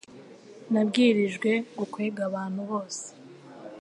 Nabwirijwe gukwega abantu bose